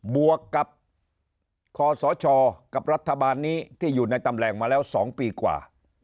บวกกับคศกับรัฐบาลนี้ที่อยู่ในตำแหน่งมาแล้ว๒ปีกว่า